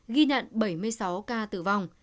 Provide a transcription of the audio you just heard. ghi nhận bảy mươi sáu ca tử vong